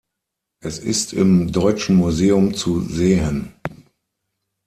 Es ist im Deutschen Museum zu sehen.